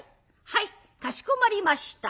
「はいかしこまりました」。